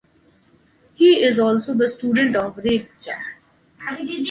He is also the student of Reicha.